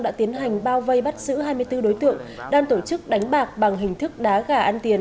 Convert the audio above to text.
đã tiến hành bao vây bắt giữ hai mươi bốn đối tượng đang tổ chức đánh bạc bằng hình thức đá gà ăn tiền